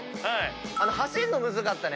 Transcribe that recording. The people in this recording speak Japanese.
走んのむずかったね。